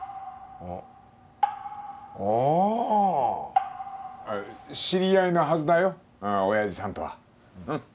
あッああ知り合いのはずだよオヤジさんとはうん！